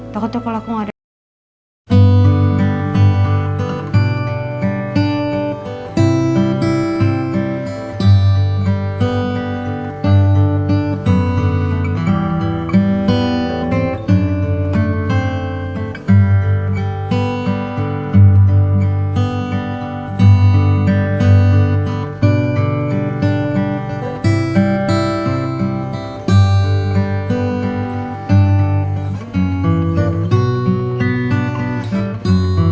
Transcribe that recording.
takutnya kalau aku nggak ada